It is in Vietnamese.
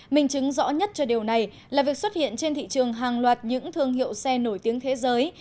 mình chứng rõ nhất cho điều này là việc xuất hiện trên thị trường hàng loạt những thương hiệu xe nổi tiếng thế giới